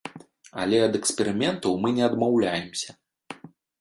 Але ад эксперыментаў мы не адмаўляемся!